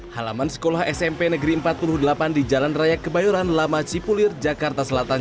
halaman sekolah smp negeri empat puluh delapan di jalan raya kebayoran lama cipulir jakarta selatan